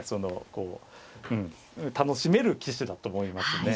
こううん楽しめる棋士だと思いますね。